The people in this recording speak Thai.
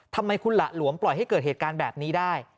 ทำไมคุณหละหลวมปล่อยให้เกิดเหตุการณ์แบบนี้ได้